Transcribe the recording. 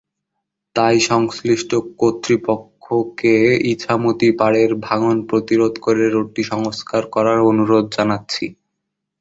তাই সংশ্লিষ্ট কর্তৃপক্ষকে ইছামতীপাড়ের ভাঙন প্রতিরোধ করে রোডটি সংস্কার করার অনুরোধ জানাচ্ছি।